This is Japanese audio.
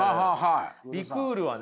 リクールはね